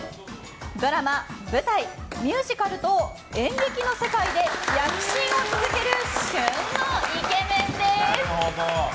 ドラマ、舞台、ミュージカルと演劇の世界で躍進を続ける旬のイケメンです。